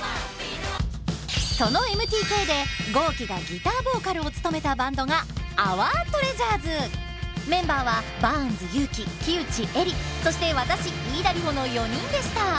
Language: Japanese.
そのＭＴＫで公輝がギターボーカルを務めたバンドがメンバーはバーンズ勇気木内江莉そして私飯田里穂の４人でした。